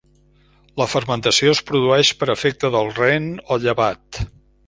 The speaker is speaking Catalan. La fermentació es produeix per efecte del rent o llevat.